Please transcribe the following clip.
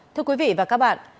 thưa quý vị và các bạn